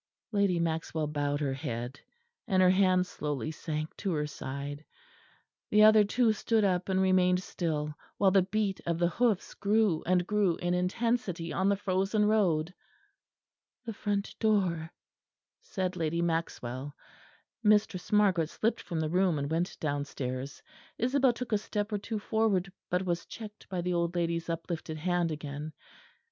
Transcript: Lady Maxwell bowed her head, and her hand slowly sank to her side. The other two stood up and remained still while the beat of the hoofs grew and grew in intensity on the frozen road. "The front door," said Lady Maxwell. Mistress Margaret slipped from the room and went downstairs; Isabel took a step or two forward, but was checked by the old lady's uplifted hand again.